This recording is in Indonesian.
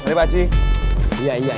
terima kasih pakcik